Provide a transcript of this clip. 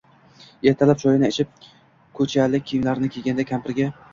Ertalab choyini ichib, ko`chalik kiyimlarini kiygancha, kampiriga